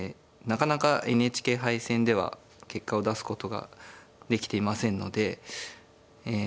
なかなかＮＨＫ杯戦では結果を出すことができていませんのでえ